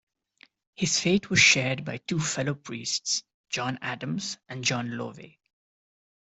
His fate was shared by two fellow priests, John Adams and John Lowe.